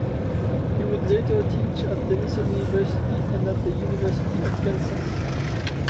He would later teach at Denison University and at the University of Kansas.